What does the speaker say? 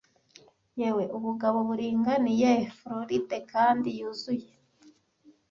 Yewe ubugabo, buringaniye, floride kandi yuzuye.